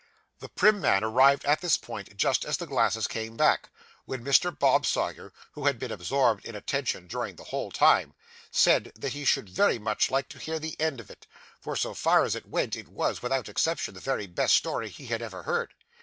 The prim man arrived at this point just as the glasses came back, when Mr. Bob Sawyer, who had been absorbed in attention during the whole time, said he should very much like to hear the end of it, for, so far as it went, it was, without exception, the very best story he had ever heard.